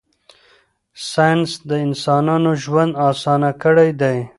ساینس د انسانانو ژوند اسانه کړی دی.